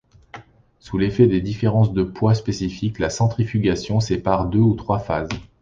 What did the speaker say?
Sous l'effet des différences de poids spécifique, la centrifugation sépare deux ou trois phases.